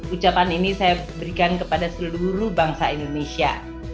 ucapan ini saya berikan kepada seluruh bangsa indonesia